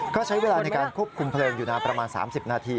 ก็ใช้เวลาในการควบคุมเพลิงอยู่นานประมาณ๓๐นาที